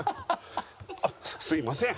あっすいません。